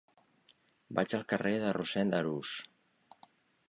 Vaig al carrer de Rossend Arús.